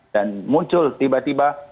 dan muncul tiba tiba